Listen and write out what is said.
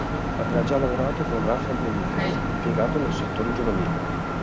Aveva già lavorato con Rafael Benítez, impiegato nel settore giovanile.